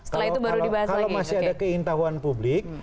kalau masih ada keintahuan publik